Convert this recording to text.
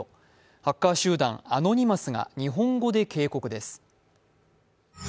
ハッカー集団・アノニマスが日本語で警告です。